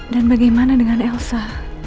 dan bagaimana dengan elsa